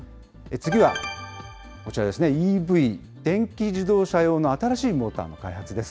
次はこちらですね、ＥＶ・電気自動車用の新しいモーターの開発です。